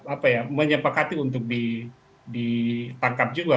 apa ya menyepakati untuk ditangkap juga